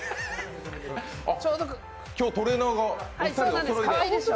今日、トレーナーがお二人、おそろいで。